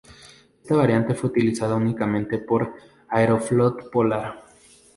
Esta variante fue utilizada únicamente por Aeroflot-Polar.